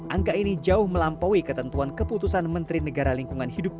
angka ini jauh melampaui ketentuan keputusan menteri negara lingkungan hidup